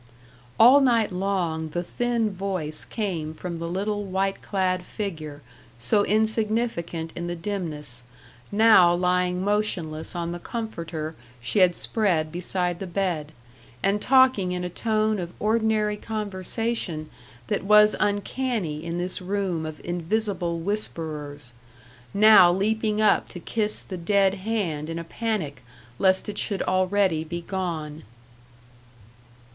All night long the thin voice came from the little white clad figure so insignificant in the dimness, now lying motionless on the comforter she had spread beside the bed, and talking in a tone of ordinary conversation that was uncanny in this room of invisible whisperers; now leaping up to kiss the dead hand in a panic, lest it should already be gone.